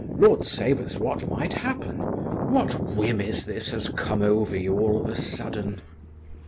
Lord save us, what might happen! What whim is this has come over you all of a sudden?"